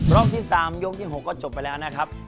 ที่๓ยกที่๖ก็จบไปแล้วนะครับ